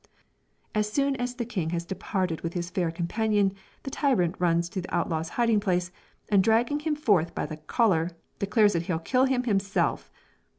As soon as the king has departed with his fair companion, the tyrant runs to the outlaw's hiding place, and dragging him forth by the collar, declares that he'll kill him himself.